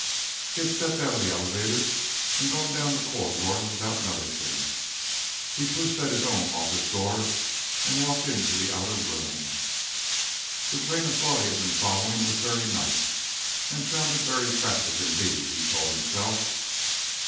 He had stepped out of the elevator and gone down the corridor without noticing it. He pushed at his own office door and walked into the outer room. The train of thought he had been following was very nice, and sounded very attractive indeed, he told himself.